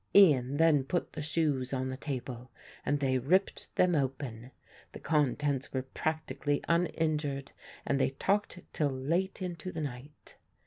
Ian then put the shoes on the table and they ripped them open. The contents were practically uninjured and they talked till late into the night.